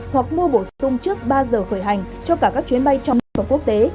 hoặc mua bổ sung trước ba giờ khởi hành cho cả các chuyến bay trong nước và quốc tế